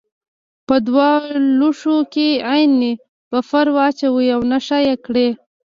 په دوه لوښو کې عین بفر واچوئ او نښه یې کړئ.